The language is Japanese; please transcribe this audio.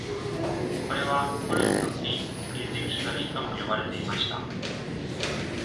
これは、「ゴルフのティー」ビルディクショナリとも呼ばれていました。